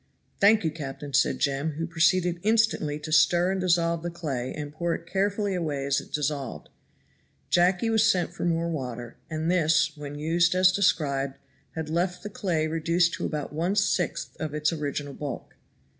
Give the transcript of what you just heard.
"Thank you, captain," said Jem, who proceeded instantly to stir and dissolve the clay and pour it carefully away as it dissolved. Jacky was sent for more water, and this, when used as described, had left the clay reduced to about one sixth of its original bulk.